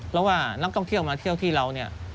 เพราะว่านักท่องเที่ยวมาเที่ยวที่เราเนี่ย